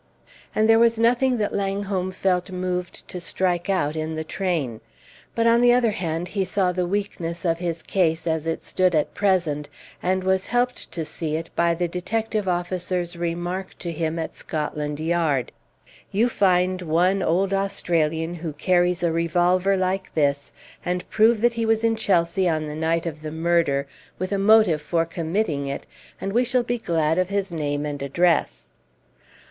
And there was nothing that Langholm felt moved to strike out in the train; but, on the other hand, he saw the weakness of his case as it stood at present, and was helped to see it by the detective officer's remark to him at Scotland Yard: "You find one [old Australian] who carries a revolver like this, and prove that he was in Chelsea on the night of the murder, with a motive for committing it, and we shall be glad of his name and address."